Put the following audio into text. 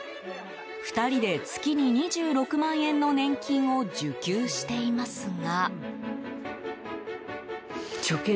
２人で月に２６万円の年金を受給していますが。